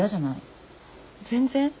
全然。